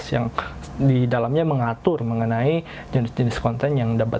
yang di dalamnya mengatur mengenai jenis jenis konten yang dapat